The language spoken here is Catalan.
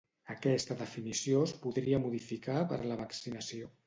Aquesta definició es podria modificar per la vaccinació.